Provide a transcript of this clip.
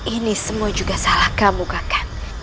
ini semua juga salah kamu kakak